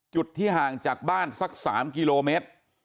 จุดที่ห่างจากบ้านสัก๓กิโลเมตร